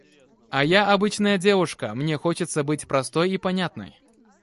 А я - обычная девушка, мне хочется быть простой и понятной.